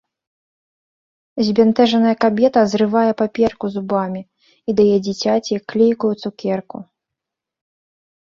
Збянтэжаная кабета зрывае паперку зубамі і дае дзіцяці клейкую цукерку.